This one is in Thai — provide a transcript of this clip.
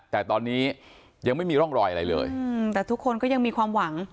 แต่ตอนนี้ยังไม่มีร่องรอยอะไรเลยแต่ทุกคนก็ยังมีความหวัง